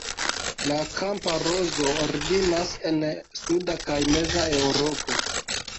La kampa rozo originas en suda kaj meza Eŭropo.